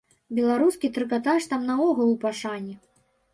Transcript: Беларускі трыкатаж там наогул у пашане.